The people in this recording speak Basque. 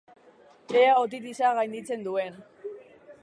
Ea otitisa gainditzen duen!